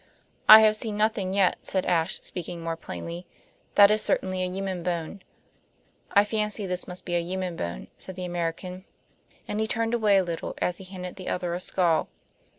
"I have seen nothing yet," said Ashe, speaking more plainly. "That is certainly a human bone." "I fancy this must be a human bone," said the American. And he turned away a little as he handed the other a skull.